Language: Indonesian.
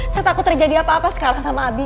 saya takut terjadi apa apa sekarang sama abi